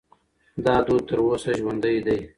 دا دود تر اوسه ژوندی دی.